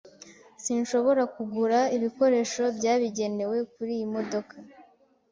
Sinshobora kugura ibikoresho byabigenewe kuriyi modoka.